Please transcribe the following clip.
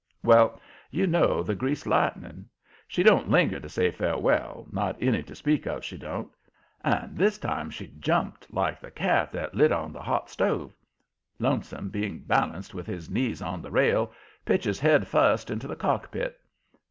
Well, you know the Greased Lightning? She don't linger to say farewell, not any to speak of, she don't. And this time she jumped like the cat that lit on the hot stove. Lonesome, being balanced with his knees on the rail, pitches headfust into the cockpit.